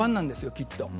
きっと。